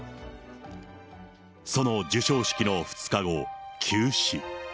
その授賞式の２日後、急死。